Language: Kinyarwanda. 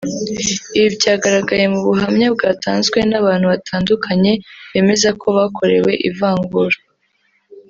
Ibi byagaragaye mu buhamya bwatanzwe n’abantu batandukanye bemeza ko bakorewe ivangura